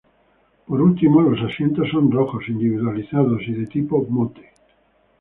Por último, los asientos son rojos, individualizados y de tipo "Motte".